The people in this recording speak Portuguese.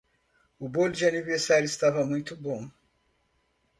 O bolo de aniversário estava muito bom.